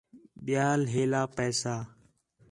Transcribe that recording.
ٻِیال ہیلا پیسہ